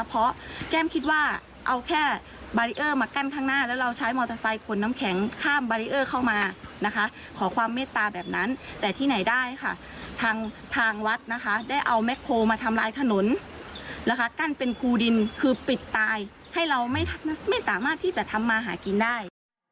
เพราะแก้มคิดว่าเอาแค่บารีเออร์มากั้นข้างหน้าแล้วเราใช้มอเตอร์ไซค์ขนน้ำแข็งข้ามบารีเออร์เข้ามานะคะขอความเมตตาแบบนั้นแต่ที่ไหนได้ค่ะทางทางวัดนะคะได้เอาแม็กโคลมาทำลายถนนนะคะกั้นเป็นภูดินคือปิดตายให้เราไม่สามารถที่จะทำมาหากินได้